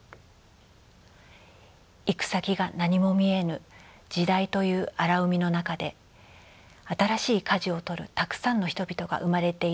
「行く先が何も見えぬ時代という荒海の中で新しい舵を取るたくさんの人々が生まれているはずである。